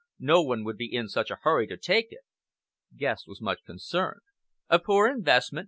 No one would be in such a hurry to take it." Guest was much concerned. "A poor investment!"